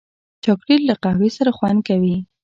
چاکلېټ له قهوې سره خوند کوي.